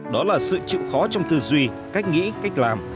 đó là sự chịu khó trong tư duy cách nghĩ cách làm